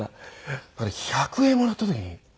だから１００円もらった時に。